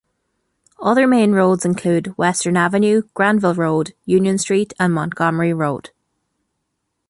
Other main roads include Western Avenue, Granville Road, Union Street, and Montgomery Road.